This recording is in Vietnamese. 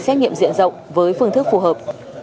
xét nghiệm diện rộng với phương thức phù hợp